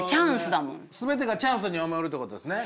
全てがチャンスに思えるってことですね。